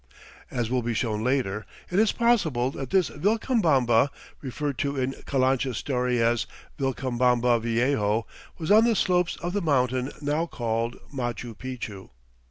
As will be shown later, it is possible that this Vilcabamba, referred to in Calancha's story as "Vilcabamba Viejo," was on the slopes of the mountain now called Machu Picchu.